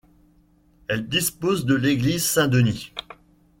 Elle dispose de l'église Saint-Denis.